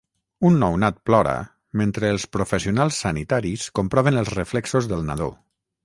Un nounat plora mentre els professionals sanitaris comproven els reflexos del nadó.